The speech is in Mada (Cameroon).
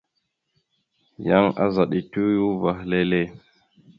Yan azaɗ etew ya uvah lele.